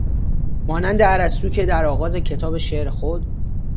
مانند ارسطو که در آغاز کتاب شعر خود